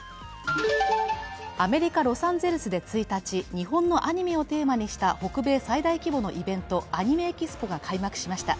アメリカ・ロサンゼルスで１日、日本のアニメをテーマにした北米最大規模のイベント、アニメ・エキスポが開幕しました。